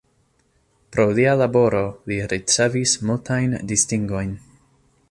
Pro lia laboro li ricevis multajn distingojn.